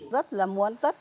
rất là muốn rất là muốn